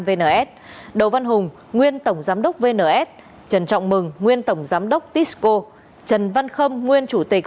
vns đầu văn hùng nguyên tổng giám đốc vns trần trọng mừng nguyên tổng giám đốc tisco trần văn khâm nguyên chủ tịch